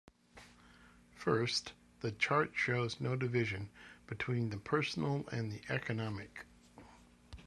First, the chart shows no division between the personal and the economic.